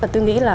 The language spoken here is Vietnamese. tôi nghĩ là